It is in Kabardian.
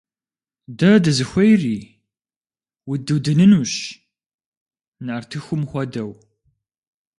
Дэ дызыхуейри? Удудынынущ! Нартыхум хуэдэу.